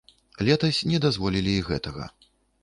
Летась не дазволілі і гэтага.